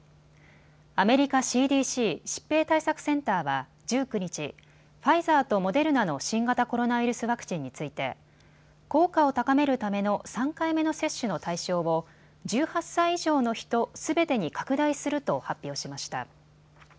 アメリカＣＤＣ・疾病対策センターは１９日、ファイザーとモデルナの新型コロナウイルスワクチンについて効果を高めるための３回目の接種の対象を１８歳以上の人すべてに拡大すると発表しました。